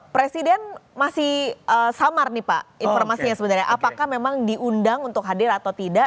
presiden masih samar nih pak informasinya sebenarnya apakah memang diundang untuk hadir atau tidak